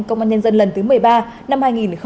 công an nhân dân lần thứ một mươi ba năm hai nghìn hai mươi